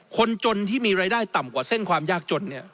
คนจนที่มีรายได้ต่ำกว่าเส้นความยากจนเนี่ย